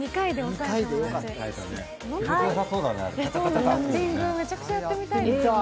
タフティング、めちゃくちゃやってみたいですよね。